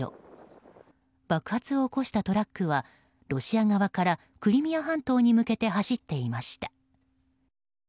爆発を起こしたトラックはロシア側からクリミア半島に向けて走っていました。